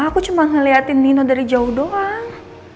aku cuma ngeliatin nino dari jauh doang